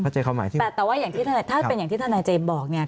อืมแต่ว่าอย่างที่ท่านายเจมส์บอกเนี่ย